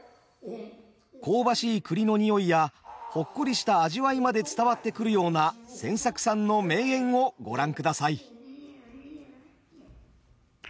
香ばしい栗の匂いやほっこりした味わいまで伝わってくるような千作さんの名演をご覧ください。